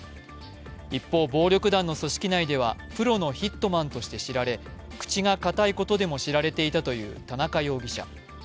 一方、暴力団の組織内ではプロのヒットマンとして知られ口がかたいことでも知られていたという田中容疑者。